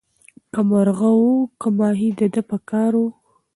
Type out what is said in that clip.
که مرغه وو که ماهی د ده په کار وو